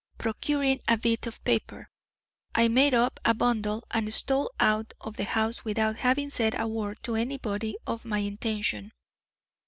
Procuring a bit of paper, I made up a bundle and stole out of the house without having said a word to anybody of my intention.